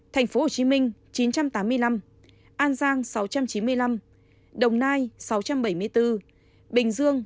thành phố hồ chí minh chín trăm tám mươi năm an giang sáu trăm chín mươi năm đồng nai sáu trăm bảy mươi bốn bình dương sáu trăm bảy mươi bốn